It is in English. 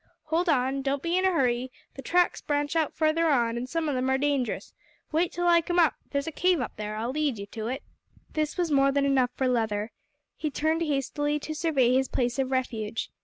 Hold on! Don't be in a hurry. The tracks branch out further on, an' some o' them are dangerous. Wait till I come up. There's a cave up there, I'll lead ye to it." This was more than enough for Leather. He turned hastily to survey his place of refuge.